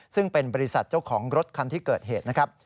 ซึ่งเป็นบริษัทเจ้าของรถคันที่เกิดเหตุนะครับ